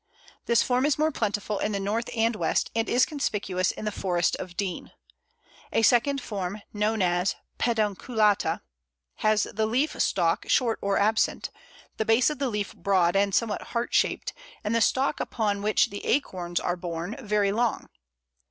This form is more plentiful in the north and west, and is conspicuous in the Forest of Dean. A second form, known as pedunculata, has the leaf stalk short or absent, the base of the leaf broad and somewhat heart shaped, and the stalk upon which the acorns are borne very long.